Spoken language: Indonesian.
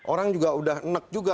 orang juga udah nek juga